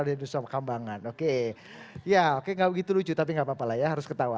ada diusaha pengembangan oke ya oke gak begitu lucu tapi gapapa lah ya harus ketawa